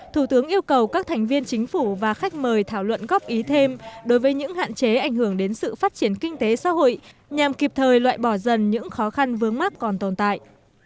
thủ tướng yêu cầu các bộ ngành không được chủ quan báo chí tiếp tục thực hiện tốt việc phản biện này để vô hiệu hóa các cơ quan báo chí